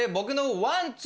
ワン・ツー！